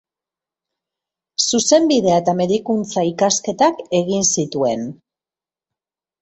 Zuzenbidea eta medikuntza-ikasketak egin zituen.